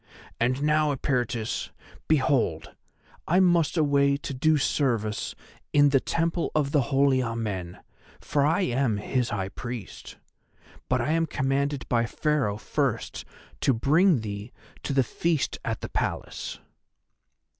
And now, Eperitus, behold I must away to do service in the Temple of the Holy Amen, for I am his High Priest. But I am commanded by Pharaoh first to bring thee to the feast at the Palace."